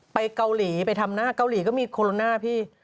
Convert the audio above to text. ไปเกาหลีไปทำหน้าเกาหลีก็มีโคโรนาพี่